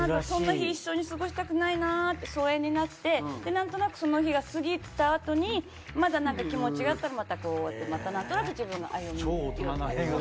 そんな日一緒に過ごしたくないなって疎遠になってなんとなくその日が過ぎたあとにまだなんか気持ちがあったらまたこうやってまたなんとなく自分が歩み寄って。